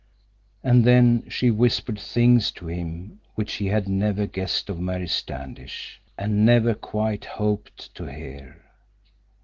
And then she whispered things to him which he had never guessed of Mary Standish, and never quite hoped to hear.